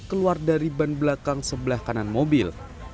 keluar dari ban belakang sebelah kanan mobil